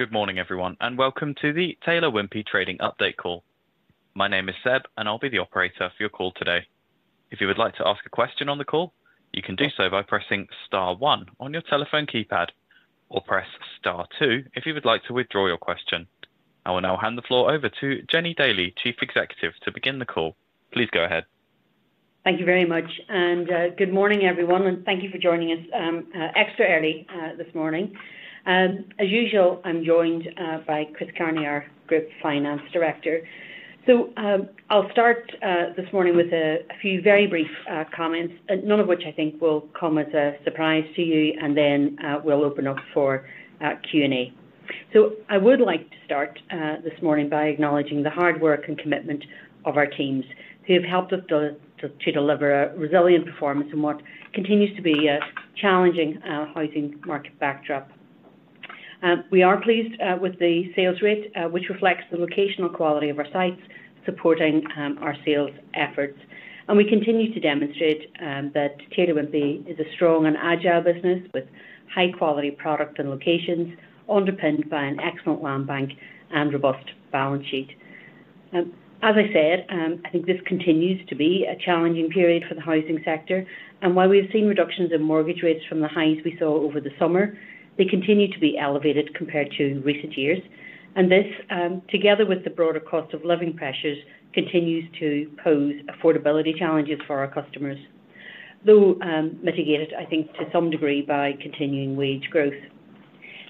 Good morning, everyone, and welcome to the Taylor Wimpey trading update call. My name is Seb, and I'll be the operator for your call today. If you would like to ask a question on the call, you can do so by pressing star one on your telephone keypad, or press star two if you would like to withdraw your question. I will now hand the floor over to Jennie Daly, Chief Executive, to begin the call. Please go ahead. Thank you very much, and good morning, everyone, and thank you for joining us, extra early this morning. As usual, I'm joined by Chris Carney, our Group Finance Director. So, I'll start this morning with a few very brief comments, and none of which I think will come as a surprise to you, and then, we'll open up for Q&A. So I would like to start this morning by acknowledging the hard work and commitment of our teams, who have helped us to deliver a resilient performance in what continues to be a challenging housing market backdrop. We are pleased with the sales rate, which reflects the locational quality of our sites, supporting our sales efforts. We continue to demonstrate that Taylor Wimpey is a strong and agile business with high-quality product and locations, underpinned by an excellent land bank and robust balance sheet. As I said, I think this continues to be a challenging period for the housing sector, and while we've seen reductions in mortgage rates from the highs we saw over the summer, they continue to be elevated compared to recent years. This, together with the broader cost of living pressures, continues to pose affordability challenges for our customers, though, mitigated, I think, to some degree by continuing wage growth.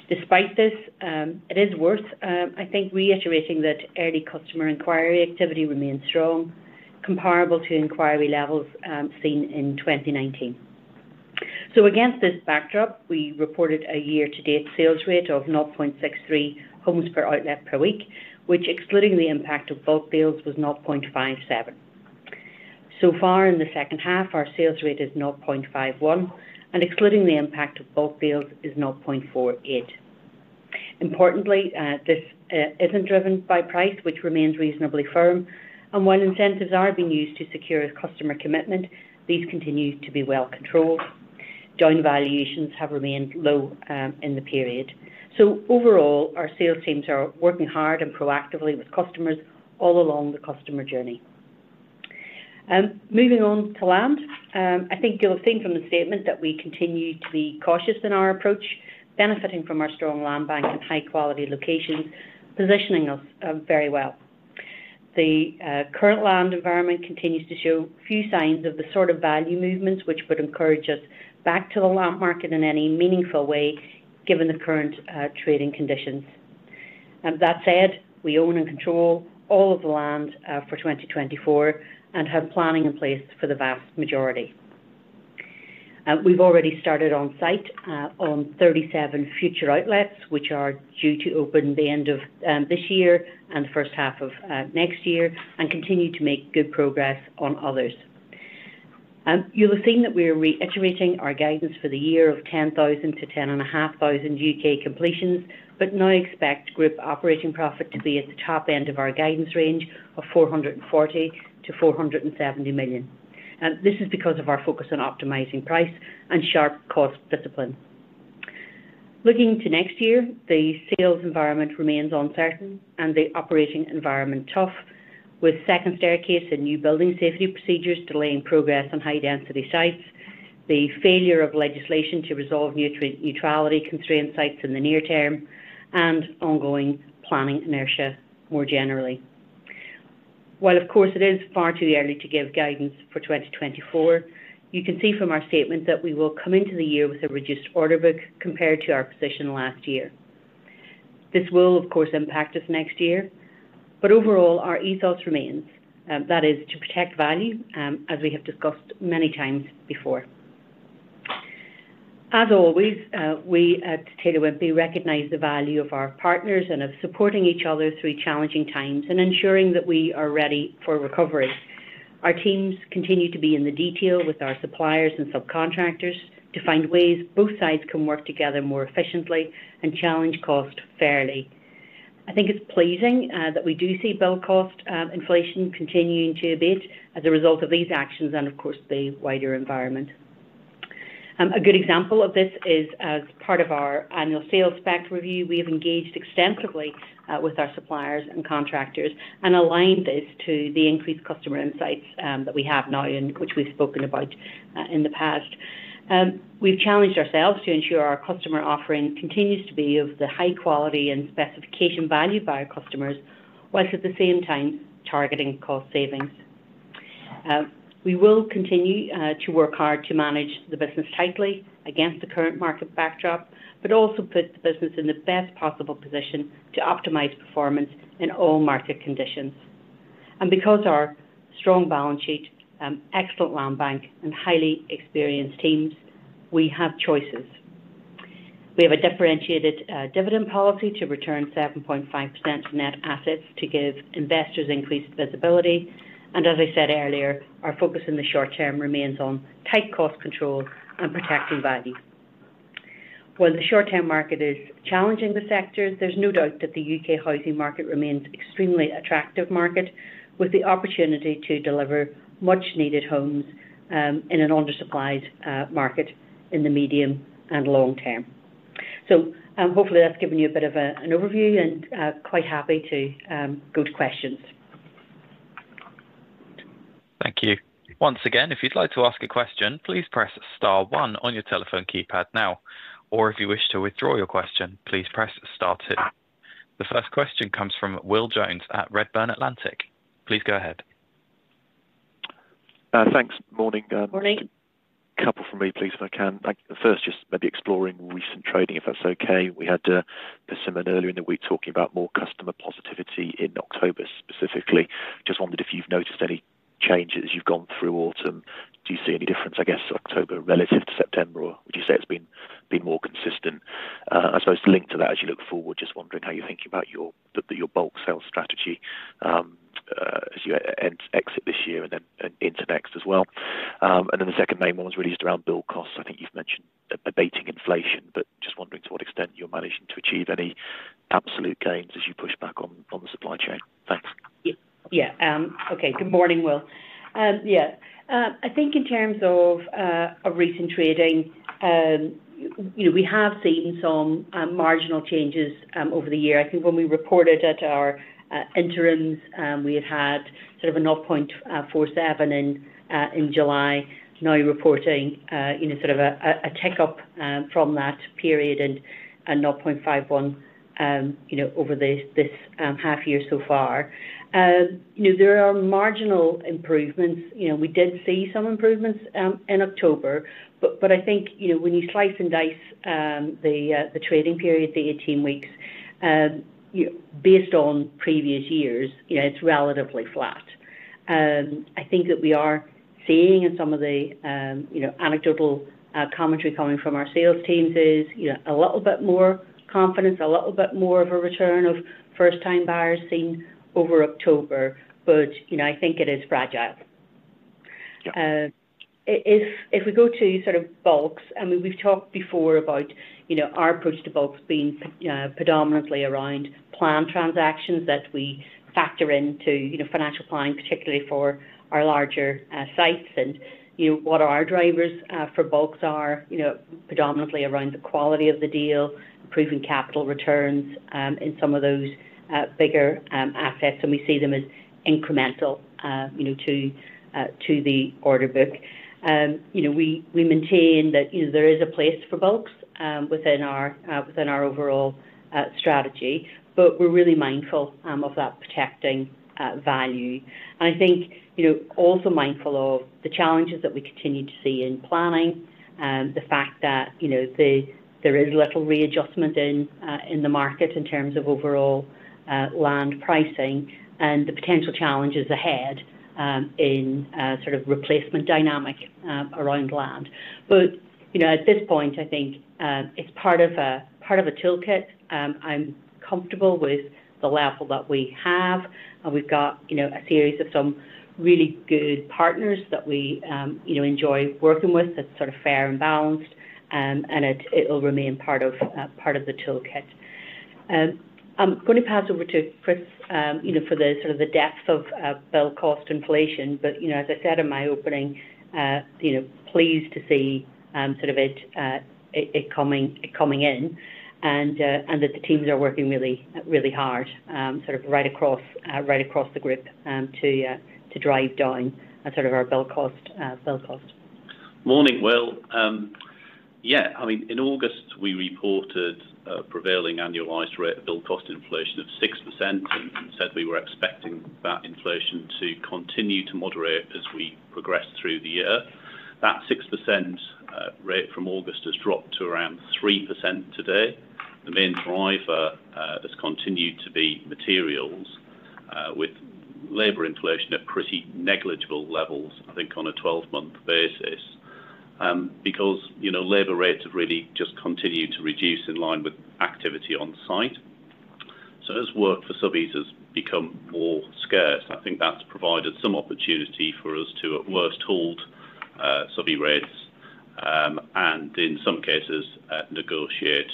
Despite this, it is worth, I think, reiterating that early customer inquiry activity remains strong, comparable to inquiry levels, seen in 2019. Against this backdrop, we reported a year-to-date sales rate of 0.63 homes per outlet per week, which, excluding the impact of bulk deals, was 0.57. So far in the second half, our sales rate is 0.51, and excluding the impact of bulk deals, is 0.48. Importantly, this isn't driven by price, which remains reasonably firm, and while incentives are being used to secure customer commitment, these continue to be well controlled. Joint valuations have remained low in the period. So overall, our sales teams are working hard and proactively with customers all along the customer journey. Moving on to land. I think you'll have seen from the statement that we continue to be cautious in our approach, benefiting from our strong land bank and high-quality locations, positioning us very well. The current land environment continues to show a few signs of the sort of value movements, which would encourage us back to the land market in any meaningful way, given the current trading conditions. That said, we own and control all of the land for 2024 and have planning in place for the vast majority. We've already started on site on 37 future outlets, which are due to open the end of this year and the first half of next year and continue to make good progress on others. You'll have seen that we're reiterating our guidance for the year of 10,000 to 10,500 UK completions, but now expect group operating profit to be at the top end of our guidance range of 440 million-470 million. This is because of our focus on optimizing price and sharp cost discipline. Looking to next year, the sales environment remains uncertain and the operating environment tough, with second staircase and new building safety procedures delaying progress on high-density sites, the failure of legislation to resolve nutrient neutrality constraint sites in the near term, and ongoing planning inertia more generally. While, of course, it is far too early to give guidance for 2024, you can see from our statement that we will come into the year with a reduced order book compared to our position last year. This will, of course, impact us next year, but overall, our ethos remains, that is, to protect value, as we have discussed many times before. As always, we at Taylor Wimpey recognize the value of our partners and of supporting each other through challenging times and ensuring that we are ready for recovery. Our teams continue to be in the detail with our suppliers and subcontractors to find ways both sides can work together more efficiently and challenge cost fairly. I think it's pleasing that we do see build cost inflation continuing to abate as a result of these actions and, of course, the wider environment. A good example of this is, as part of our annual sales spec review, we have engaged extensively with our suppliers and contractors and aligned this to the increased customer insights that we have now and which we've spoken about in the past. We've challenged ourselves to ensure our customer offering continues to be of the high quality and specification valued by our customers, whilst at the same time, targeting cost savings. We will continue to work hard to manage the business tightly against the current market backdrop, but also put the business in the best possible position to optimize performance in all market conditions. And because our strong balance sheet, excellent land bank, and highly experienced teams, we have choices. We have a differentiated dividend policy to return 7.5% net assets to give investors increased visibility. And as I said earlier, our focus in the short term remains on tight cost control and protecting value. While the short-term market is challenging the sector, there's no doubt that the U.K. housing market remains extremely attractive market, with the opportunity to deliver much needed homes, in an undersupplied, market in the medium and long term. So, hopefully, that's given you a bit of a, an overview and, quite happy to, go to questions.... Thank you. Once again, if you'd like to ask a question, please press star one on your telephone keypad now, or if you wish to withdraw your question, please press star two. The first question comes from Will Jones at Redburn Atlantic. Please go ahead. Thanks. Morning, Morning. Couple from me, please, if I can. Thank you. First, just maybe exploring recent trading, if that's okay. We had Persimmon earlier in the week talking about more customer positivity in October, specifically. Just wondered if you've noticed any changes as you've gone through autumn. Do you see any difference, I guess, October relative to September, or would you say it's been more consistent? I suppose linked to that, as you look forward, just wondering how you're thinking about your bulk sales strategy as you exit this year and then into next as well. And then the second main one was really just around build costs. I think you've mentioned abating inflation, but just wondering to what extent you're managing to achieve any absolute gains as you push back on the supply chain. Thanks. Yeah. Yeah, okay. Good morning, Will. Yeah. I think in terms of a recent trading, you know, we have seen some marginal changes over the year. I think when we reported at our interims, we had had sort of a 0.47 in July. Now reporting, you know, sort of a tick up from that period and a 0.51, you know, over this half year so far. You know, there are marginal improvements. You know, we did see some improvements in October, but I think, you know, when you slice and dice the trading period, the 18 weeks, you know, based on previous years, you know, it's relatively flat. I think that we are seeing in some of the, you know, anecdotal commentary coming from our sales teams is, you know, a little bit more confidence, a little bit more of a return of first-time buyers seen over October, but, you know, I think it is fragile. Yeah. If we go to sort of bulks, I mean, we've talked before about, you know, our approach to bulks being predominantly around plan transactions that we factor into, you know, financial planning, particularly for our larger sites. And, you know, what our drivers for bulks are, you know, predominantly around the quality of the deal, improving capital returns in some of those bigger assets, and we see them as incremental, you know, to the order book. You know, we maintain that, you know, there is a place for bulks within our overall strategy, but we're really mindful of that protecting value. And I think, you know, also mindful of the challenges that we continue to see in planning, the fact that, you know, there is little readjustment in the market in terms of overall land pricing and the potential challenges ahead, in sort of replacement dynamic around land. But, you know, at this point, I think it's part of a toolkit. I'm comfortable with the level that we have, and we've got, you know, a series of some really good partners that we, you know, enjoy working with, that's sort of fair and balanced, and it, it'll remain part of the toolkit. I'm going to pass over to Chris, you know, for the sort of the depth of build cost inflation, but, you know, as I said in my opening, you know, pleased to see sort of it coming in, and that the teams are working really, really hard, sort of right across the group, to drive down sort of our build cost. Morning, Will. Yeah, I mean, in August, we reported a prevailing annualized rate of build cost inflation of 6%, and said we were expecting that inflation to continue to moderate as we progress through the year. That 6% rate from August has dropped to around 3% today. The main driver has continued to be materials, with labor inflation at pretty negligible levels, I think, on a 12-month basis, because, you know, labor rates have really just continued to reduce in line with activity on site. So as work for subbies has become more scarce, I think that's provided some opportunity for us to at worst hold subbie rates, and in some cases, negotiate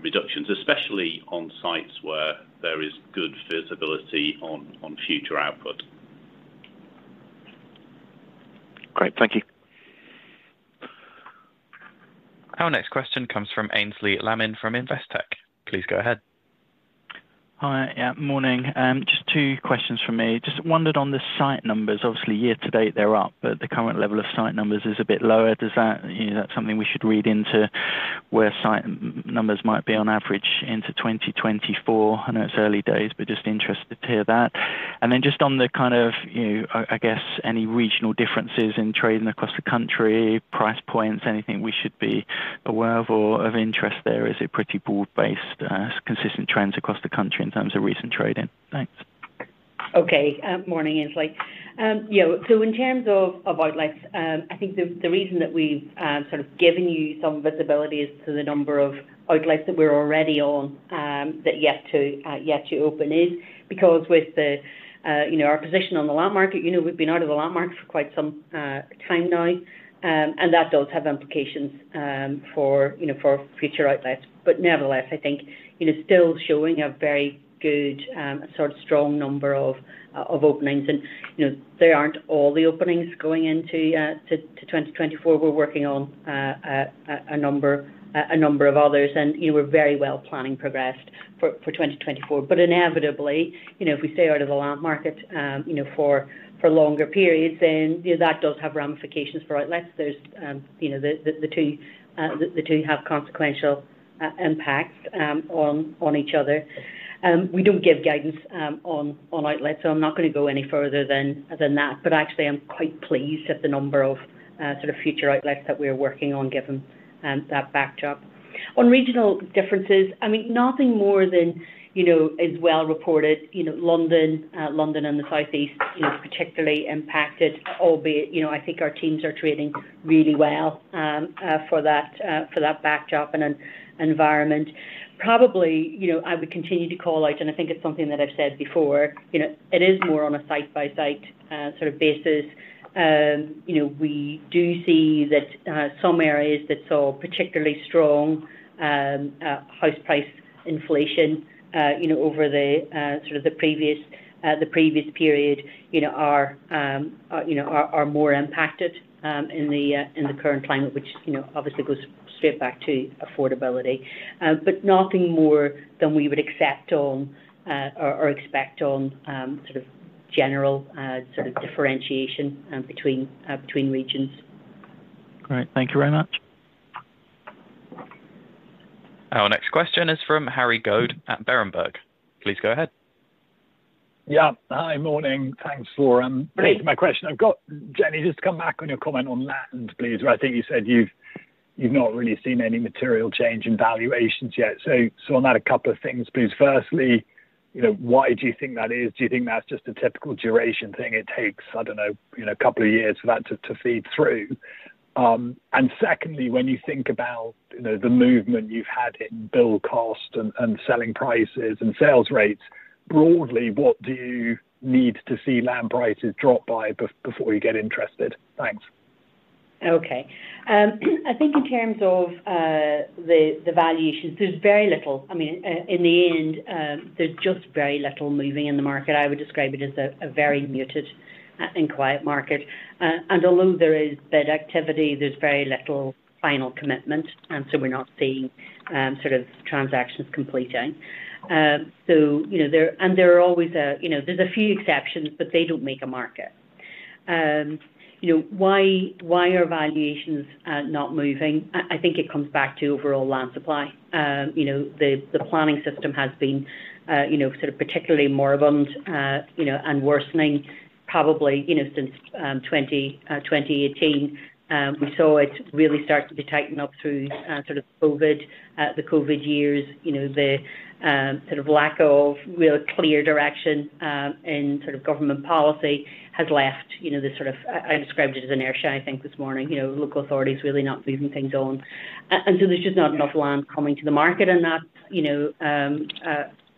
reductions, especially on sites where there is good visibility on future output. Great. Thank you. Our next question comes from Aynsley Lammin from Investec. Please go ahead. Hi. Yeah, morning. Just two questions from me. Just wondered on the site numbers. Obviously, year to date, they're up, but the current level of site numbers is a bit lower. Does that, you know, that's something we should read into where site numbers might be on average into 2024? I know it's early days, but just interested to hear that. And then just on the kind of, you know, I guess, any regional differences in trading across the country, price points, anything we should be aware of or of interest there? Is it pretty broad-based, consistent trends across the country in terms of recent trading? Thanks. Okay. Morning, Aynsley. Yeah, so in terms of outlets, I think the reason that we've sort of given you some visibility as to the number of outlets that we're already on, that yet to open is because with the, you know, our position on the land market, you know, we've been out of the land market for quite some time now, and that does have implications for, you know, for future outlets. But nevertheless, I think, you know, still showing a very good sort of strong number of openings. And, you know, they aren't all the openings going into to 2024. We're working on a number of others, and, you know, we're very well planning progressed for 2024. But inevitably, you know, if we stay out of the land market, you know, for longer periods, then, you know, that does have ramifications for outlets. There's, you know, the, the, the two, the two have consequential, impacts, on, on each other. We don't give guidance, on, on outlets, so I'm not going to go any further than, than that. But actually, I'm quite pleased at the number of, sort of future outlets that we're working on, given, that backdrop.... On regional differences, I mean, nothing more than, you know, is well reported. You know, London, London and the Southeast, you know, is particularly impacted, albeit, you know, I think our teams are trading really well, for that, for that backdrop and environment. Probably, you know, I would continue to call out, and I think it's something that I've said before, you know, it is more on a site-by-site, sort of basis. You know, we do see that some areas that saw particularly strong house price inflation, you know, over the sort of the previous period, you know, are more impacted in the current climate, which, you know, obviously goes straight back to affordability. But nothing more than we would accept on or expect on sort of general sort of differentiation between regions. Great. Thank you very much. Our next question is from Harry Goad at Berenberg. Please go ahead. Yeah. Hi, morning. Thanks, a lot. My question I've got, Jennie, just to come back on your comment on land, please, where I think you said you've not really seen any material change in valuations yet. So on that, a couple of things, please. Firstly, you know, why do you think that is? Do you think that's just a typical duration thing? It takes, I don't know, you know, a couple of years for that to feed through. And secondly, when you think about, you know, the movement you've had in build cost and selling prices and sales rates, broadly, what do you need to see land prices drop by before you get interested? Thanks. Okay. I think in terms of the valuations, there's very little. I mean, in the end, there's just very little moving in the market. I would describe it as a very muted and quiet market. And although there is bid activity, there's very little final commitment, and so we're not seeing sort of transactions completing. So, you know, there are always a few exceptions, but they don't make a market. You know, why are valuations not moving? I think it comes back to overall land supply. You know, the planning system has been sort of particularly moribund and worsening probably, you know, since 2018. We saw it really start to be tightened up through sort of COVID, the COVID years. You know, the sort of lack of real clear direction in sort of government policy has left, you know, this sort of... I described it as an airshow, I think, this morning, you know, local authorities really not moving things on. And so there's just not enough land coming to the market, and that's, you know,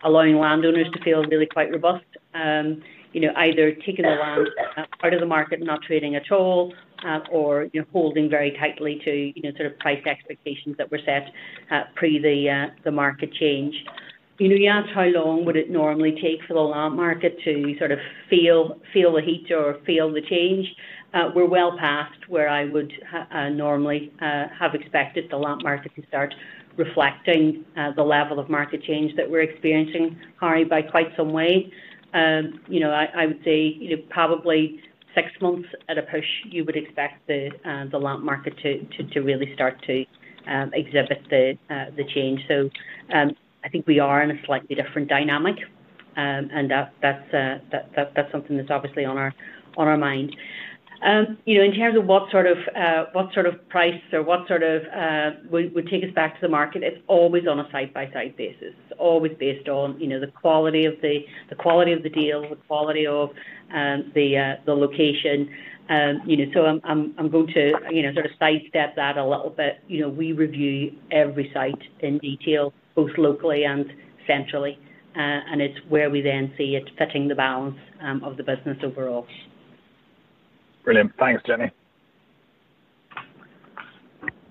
allowing landowners to feel really quite robust. You know, either taking the land out of the market, not trading at all, or, you know, holding very tightly to, you know, sort of price expectations that were set pre the market change. You know, you asked how long would it normally take for the land market to sort of feel, feel the heat or feel the change? We're well past where I would normally have expected the land market to start reflecting the level of market change that we're experiencing, Harry, by quite some way. You know, I would say, you know, probably six months at a push, you would expect the land market to really start to exhibit the change. So, I think we are in a slightly different dynamic, and that's something that's obviously on our mind. You know, in terms of what sort of price or what sort of would take us back to the market, it's always on a site-by-site basis. It's always based on, you know, the quality of the deal, the quality of the location. You know, so I'm going to, you know, sort of sidestep that a little bit. You know, we review every site in detail, both locally and centrally, and it's where we then see it fitting the balance of the business overall. Brilliant. Thanks, Jennie.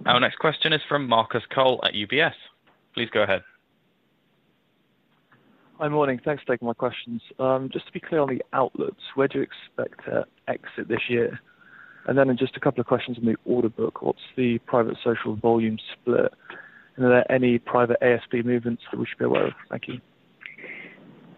Our next question is from Marcus Cole at UBS. Please go ahead. Hi, morning. Thanks for taking my questions. Just to be clear on the outlets, where do you expect to exit this year? And then in just a couple of questions on the order book, what's the private social volume split? And are there any private ASP movements that we should be aware of? Thank you.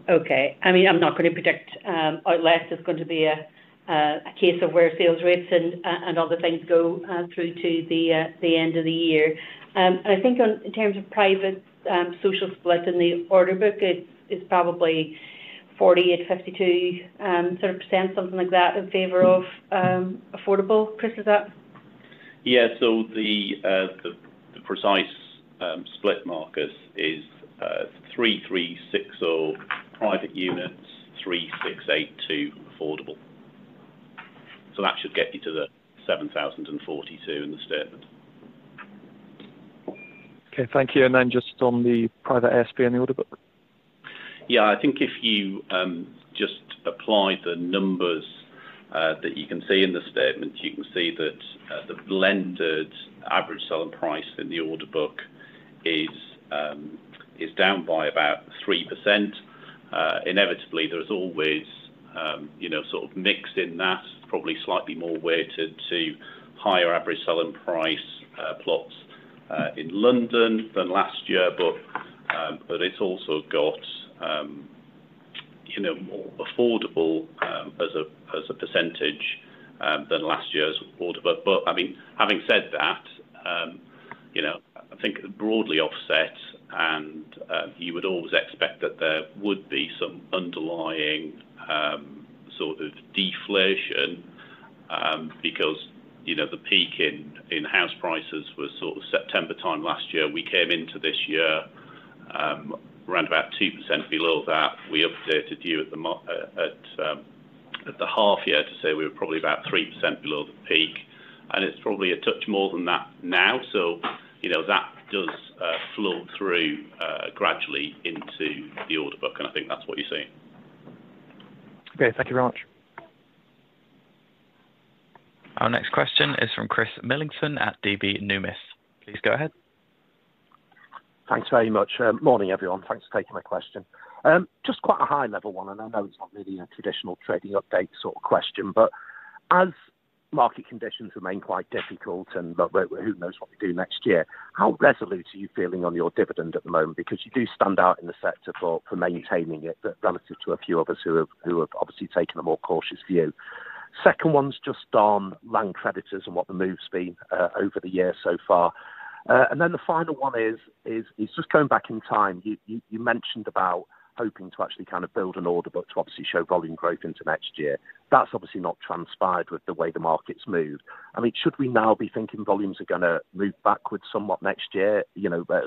Okay. I mean, I'm not going to predict outlets. It's going to be a case of where sales rates and other things go through to the end of the year. And I think on, in terms of private social split in the order book, it's probably 48%-52% sort of, something like that, in favor of affordable. Chris, is that? Yeah. So the precise split, Marcus, is 3,360 private units, 3,682 affordable. So that should get you to the 7,042 in the statement. Okay, thank you. And then just on the private ASP in the order book. Yeah. I think if you just apply the numbers that you can see in the statement, you can see that the blended average selling price in the order book is down by about 3%. Inevitably, there is always you know, sort of mix in that, probably slightly more weighted to higher average selling price plots in London than last year. But, but it's also got you know, more affordable as a, as a percentage than last year's order book. But, I mean, having said that you know, I think broadly offset and you would always expect that there would be some underlying deflation because you know, the peak in house prices was sort of September time last year. We came into this year around about 2% below that. We updated you at the half year to say we were probably about 3% below the peak, and it's probably a touch more than that now. So, you know, that does flow through gradually into the order book, and I think that's what you're seeing. Okay. Thank you very much. Our next question is from Chris Millington at DB Numis. Please go ahead. Thanks very much. Morning, everyone. Thanks for taking my question. Just quite a high-level one, and I know it's not really a traditional trading update sort of question, but as market conditions remain quite difficult and, but who knows what we do next year, how resolute are you feeling on your dividend at the moment? Because you do stand out in the sector for, for maintaining it, relative to a few of us who have, who have obviously taken a more cautious view. Second one's just on land creditors and what the move's been over the year so far. And then the final one is just going back in time. You mentioned about hoping to actually kind of build an order, but to obviously show volume growth into next year. That's obviously not transpired with the way the market's moved. I mean, should we now be thinking volumes are gonna move backwards somewhat next year, you know, but,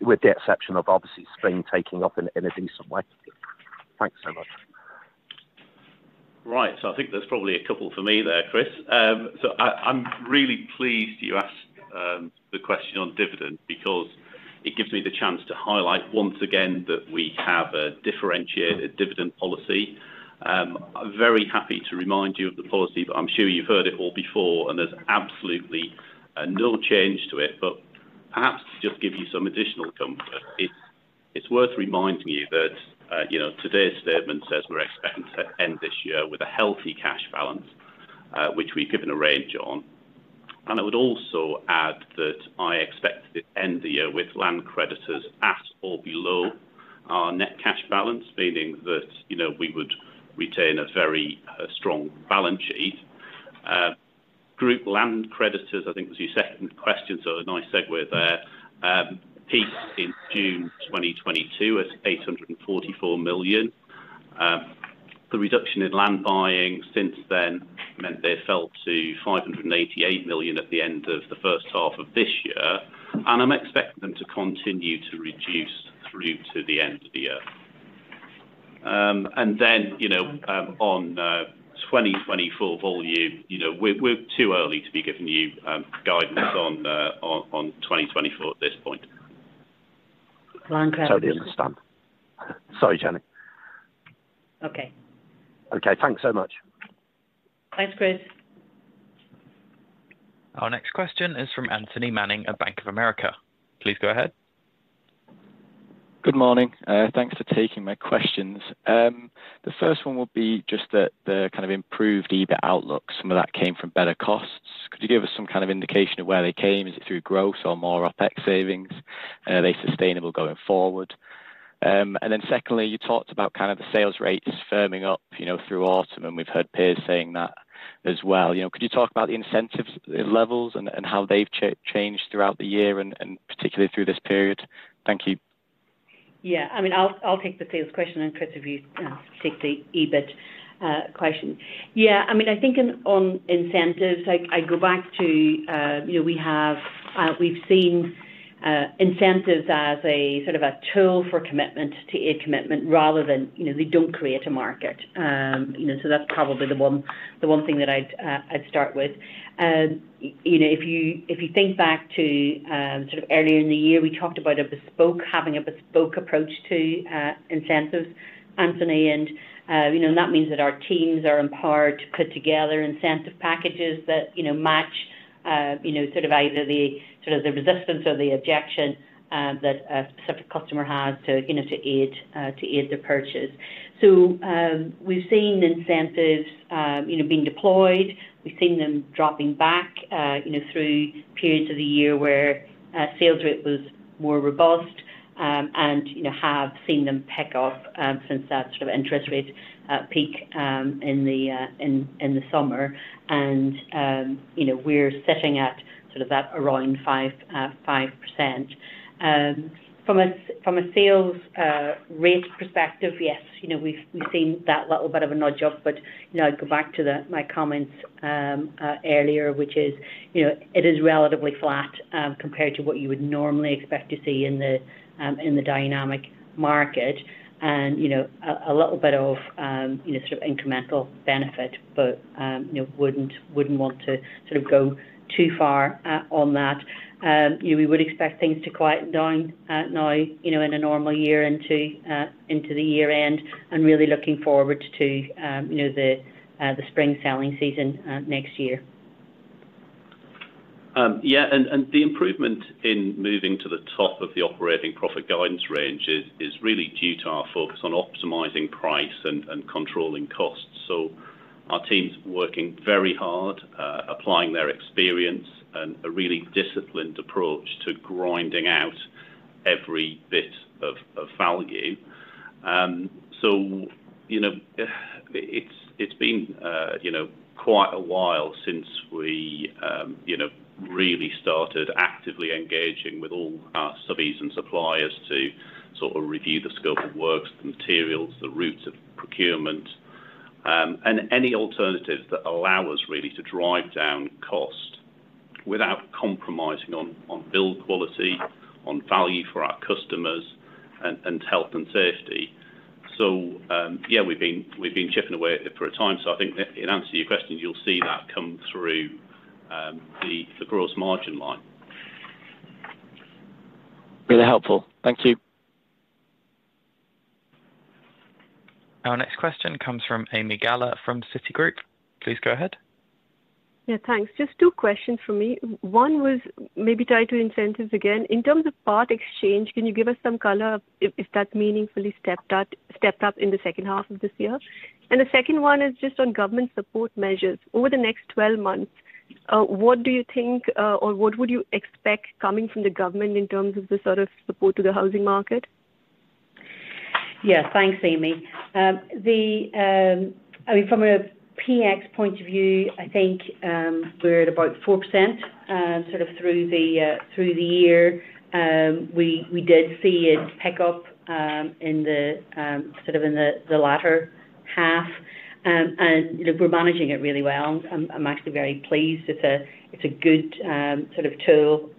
with the exception of obviously spring taking off in a decent way? Thanks so much. Right. So I think there's probably a couple for me there, Chris. I'm really pleased you asked the question on dividend because it gives me the chance to highlight once again that we have a differentiated dividend policy. I'm very happy to remind you of the policy, but I'm sure you've heard it all before, and there's absolutely no change to it. But perhaps to just give you some additional comfort, it's worth reminding you that you know, today's statement says we're expecting to end this year with a healthy cash balance, which we've given a range on. And I would also add that I expect to end the year with land creditors at or below our net cash balance, meaning that you know, we would retain a very strong balance sheet. Group land creditors, I think, was your second question, so a nice segue there. Peaked in June 2022 at 844 million. The reduction in land buying since then meant they fell to 588 million at the end of the first half of this year, and I'm expecting them to continue to reduce through to the end of the year. And then, you know, on 2024 volume, you know, we're, we're too early to be giving you guidance on the 2024 at this point. Land creditors. Totally understand. Sorry, Jennie. Okay. Okay, thanks so much. Thanks, Chris. Our next question is from Anthony Manning of Bank of America. Please go ahead. Good morning. Thanks for taking my questions. The first one will be just the kind of improved EBIT outlook. Some of that came from better costs. Could you give us some kind of indication of where they came? Is it through growth or more OpEx savings? And are they sustainable going forward? And then secondly, you talked about kind of the sales rates firming up, you know, through autumn, and we've heard peers saying that as well. You know, could you talk about the incentive levels and how they've changed throughout the year and particularly through this period? Thank you. Yeah, I mean, I'll take the sales question, and Chris, if you take the EBIT question. Yeah, I mean, I think on incentives, I go back to, you know, we have, we've seen incentives as a sort of a tool for commitment, to aid commitment rather than, you know, they don't create a market. You know, so that's probably the one thing that I'd start with. You know, if you think back to sort of earlier in the year, we talked about a bespoke approach to incentives, Anthony, and you know, that means that our teams are empowered to put together incentive packages that you know match sort of either the resistance or the objection that a specific customer has to you know to aid the purchase. So, we've seen incentives you know being deployed. We've seen them dropping back you know through periods of the year where sales rate was more robust and you know have seen them pick up since that sort of interest rate peak in the summer. You know, we're sitting at sort of that around 5%. From a sales rate perspective, yes, you know, we've seen that little bit of a nudge up, but, you know, I'd go back to my comments earlier, which is, you know, it is relatively flat, compared to what you would normally expect to see in the in the dynamic market. You know, a little bit of, you know, sort of incremental benefit, but, you know, wouldn't want to sort of go too far on that. We would expect things to quieten down now, you know, in a normal year into the year-end, and really looking forward to, you know, the the spring selling season next year. Yeah, and the improvement in moving to the top of the operating profit guidance range is really due to our focus on optimizing price and controlling costs. So our team's working very hard, applying their experience and a really disciplined approach to grinding out every bit of value. So, you know, it's been, you know, quite a while since we, you know- ... really started actively engaging with all our subbies and suppliers to sort of review the scope of works, the materials, the routes of procurement, and any alternatives that allow us really to drive down cost without compromising on build quality, on value for our customers, and health and safety. So, yeah, we've been chipping away at it for a time, so I think that in answer to your question, you'll see that come through the gross margin line. Really helpful. Thank you. Our next question comes from Ami Galla from Citigroup. Please go ahead. Yeah, thanks. Just two questions for me. One was maybe tied to incentives again. In terms of part exchange, can you give us some color if that's meaningfully stepped up in the second half of this year? And the second one is just on government support measures. Over the next 12 months, what do you think or what would you expect coming from the government in terms of the sort of support to the housing market? Yeah, thanks, Ami. I mean, from a PX point of view, I think, we're at about 4%, sort of through the year. We did see a pick-up in the latter half. And, you know, we're managing it really well. I'm actually very pleased. It's a good sort of tool,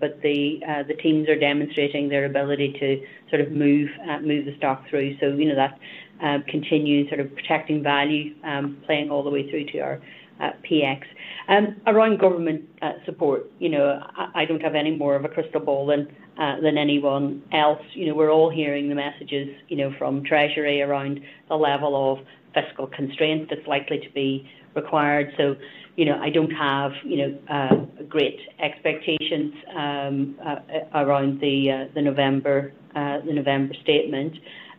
but the teams are demonstrating their ability to sort of move the stock through. So, you know, that continues sort of protecting value, playing all the way through to our PX. Around government support, you know, I don't have any more of a crystal ball than anyone else. You know, we're all hearing the messages, you know, from Treasury around the level of fiscal constraint that's likely to be required. So, you know, I don't have, you know, great expectations around the November statement.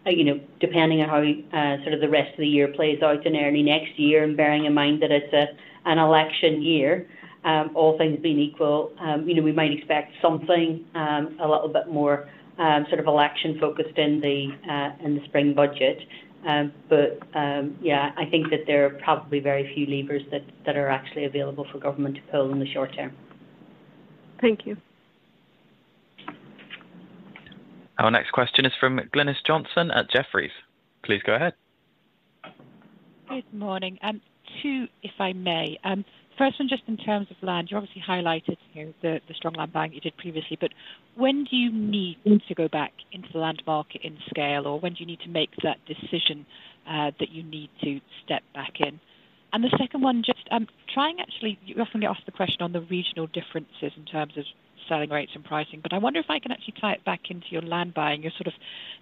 You know, depending on how sort of the rest of the year plays out in early next year, and bearing in mind that it's an election year, all things being equal, you know, we might expect something a little bit more sort of election-focused in the Spring Budget. But, yeah, I think that there are probably very few levers that are actually available for government to pull in the short term. Thank you. Our next question is from Glynis Johnson at Jefferies. Please go ahead. Good morning. Two, if I may. First one, just in terms of land, you obviously highlighted, you know, the, the strong land bank you did previously, but when do you need to go back into the land market in scale, or when do you need to make that decision, that you need to step back in? And the second one, just, I'm trying actually... You often get asked the question on the regional differences in terms of selling rates and pricing, but I wonder if I can actually tie it back into your land buying, your sort of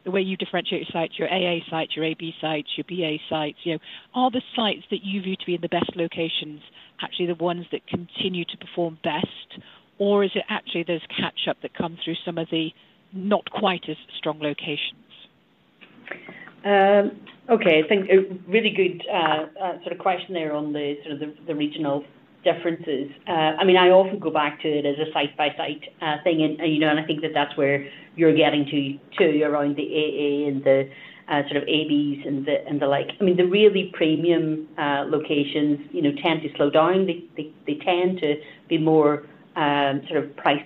the way you differentiate your sites, your AA sites, your AB sites, your BA sites. You know, are the sites that you view to be in the best locations, actually the ones that continue to perform best? Or is it actually there's catch-up that come through some of the not quite as strong locations? Okay, I think a really good sort of question there on the regional differences. I mean, I often go back to it as a site-by-site thing, you know, and I think that that's where you're getting to, to around the AA and the sort of ABs and the like. I mean, the really premium locations, you know, tend to slow down. They tend to be more sort of price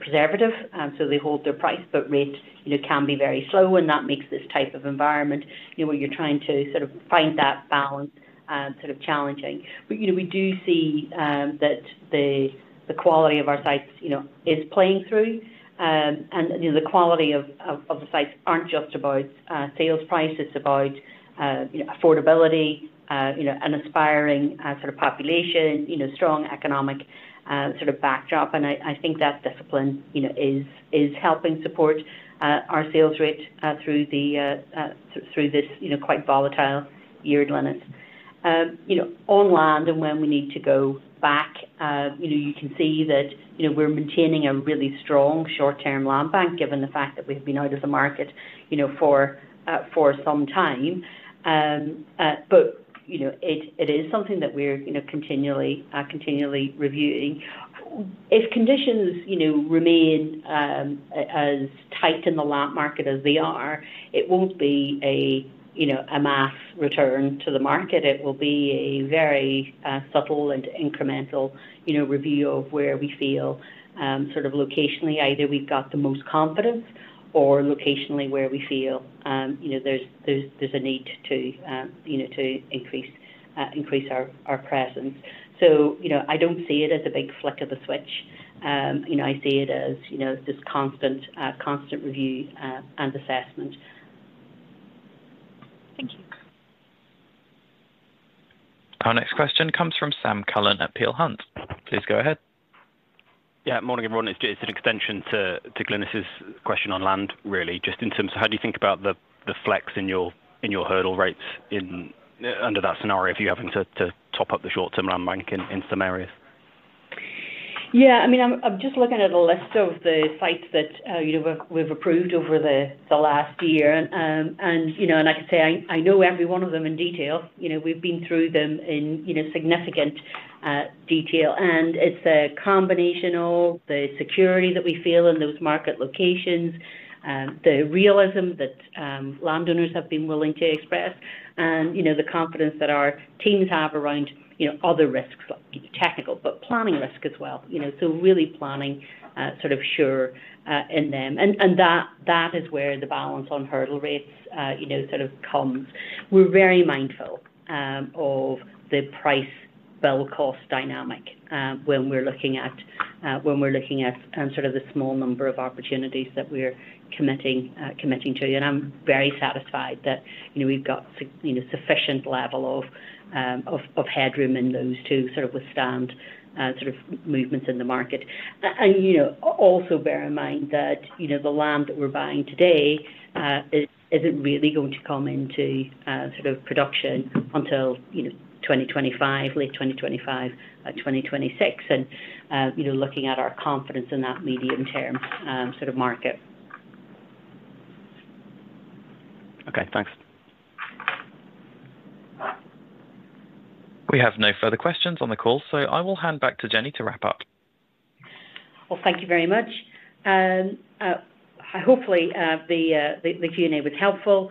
preservative, so they hold their price, but rate, you know, can be very slow, and that makes this type of environment, you know, where you're trying to sort of find that balance sort of challenging. But, you know, we do see that the quality of our sites, you know, is playing through. And you know, the quality of the sites aren't just about sales price, it's about you know, affordability you know, an aspiring sort of population, you know, strong economic sort of backdrop. And I think that discipline you know is helping support our sales rate through this you know quite volatile year at length. You know, on land and when we need to go back you know, you can see that you know, we're maintaining a really strong short-term land bank, given the fact that we've been out of the market you know for some time. But you know, it is something that we're you know continually reviewing. If conditions, you know, remain as tight in the land market as they are, it won't be, you know, a mass return to the market. It will be a very subtle and incremental, you know, review of where we feel sort of locationally, either we've got the most confidence or locationally, where we feel, you know, there's a need to, you know, to increase our presence. So, you know, I don't see it as a big flick of a switch. You know, I see it as, you know, just constant review and assessment. Thank you. Our next question comes from Sam Cullen at Peel Hunt. Please go ahead. Yeah, morning, everyone. It's an extension to Glynis' question on land, really. Just in terms of how do you think about the flex in your hurdle rates in under that scenario, if you're having to top up the short-term land bank in some areas? Yeah, I mean, I'm just looking at a list of the sites that, you know, we've approved over the last year. You know, I can say, I know every one of them in detail. You know, we've been through them in, you know, significant detail, and it's a combination of the security that we feel in those market locations, the realism that landowners have been willing to express, and, you know, the confidence that our teams have around, you know, other risks, technical, but planning risk as well. You know, so really planning, sort of sure in them. That is where the balance on hurdle rates, you know, sort of comes. We're very mindful of the price-build cost dynamic, when we're looking at sort of the small number of opportunities that we're committing to you. And I'm very satisfied that, you know, we've got you know, sufficient level of headroom in those to sort of withstand sort of movements in the market. And, you know, also bear in mind that, you know, the land that we're buying today is isn't really going to come into sort of production until, you know, 2025, late 2025, 2026, and, you know, looking at our confidence in that medium-term sort of market. Okay, thanks. We have no further questions on the call, so I will hand back to Jennie to wrap up. Well, thank you very much. Hopefully, the Q&A was helpful.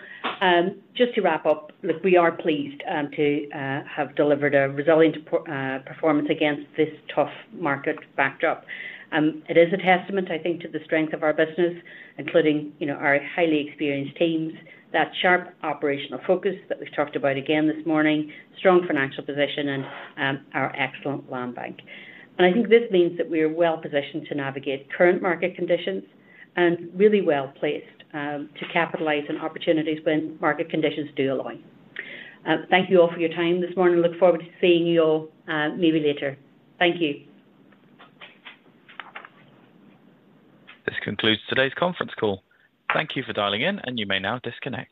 Just to wrap up, look, we are pleased to have delivered a resilient performance against this tough market backdrop. It is a testament, I think, to the strength of our business, including, you know, our highly experienced teams, that sharp operational focus that we've talked about again this morning, strong financial position, and our excellent land bank. And I think this means that we are well positioned to navigate current market conditions and really well-placed to capitalize on opportunities when market conditions do align. Thank you all for your time this morning. Look forward to seeing you all, maybe later. Thank you. This concludes today's conference call. Thank you for dialing in, and you may now disconnect.